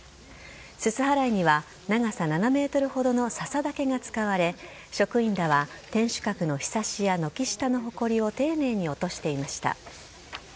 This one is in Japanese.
すす払いには、長さ７メートルほどの笹竹が使われ、職員らは天守閣のひさしや軒下のほこりを丁寧に落としていました。